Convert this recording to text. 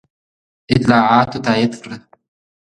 اطلاعاتو تایید کړه.